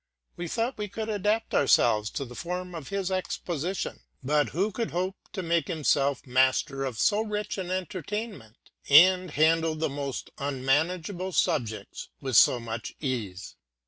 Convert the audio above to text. We thought we could adapt ourselves to the form of his exposi tion ; but who could hope to make himself master of so rich an entertainment, and to handle the most unmanageable sub jects with so much ease?